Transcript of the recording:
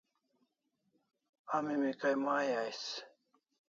A mimi kay mai ais